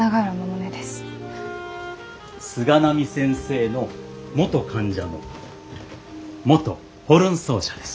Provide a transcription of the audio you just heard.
菅波先生の元患者の元ホルン奏者です。